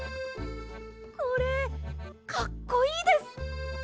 これかっこいいです！